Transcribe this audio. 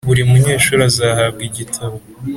buri munyeshuri azahabwa igitabo.